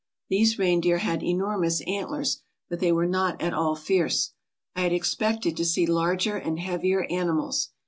These reindeer had enormous antlers, but they were not at all fierce. I had expected to see larger and heavier animals.